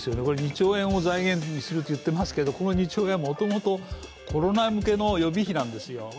２兆円を財源とすると言っていますが、この２兆円はもともとコロナ向けの予備費なんですよ。